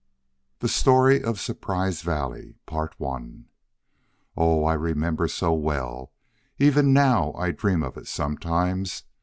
THE STORY OF SURPRISE VALLEY "... Oh, I remember so well! Even now I dream of it sometimes.